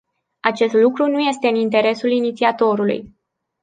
Acest lucru nu este în interesul inițiatorului.